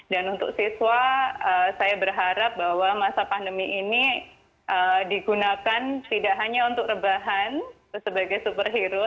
dan untuk siswa saya berharap bahwa masa pandemi ini digunakan tidak hanya untuk rebahan sebagai superhero